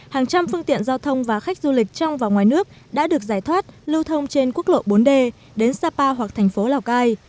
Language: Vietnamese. hàng trăm phương tiện giao thông và khách du lịch trong và ngoài nước đã được giải thoát lưu thông trên quốc lộ bốn d đến sapa hoặc thành phố lào cai